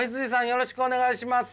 よろしくお願いします。